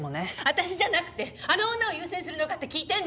私じゃなくてあの女を優先するのかって聞いてるの！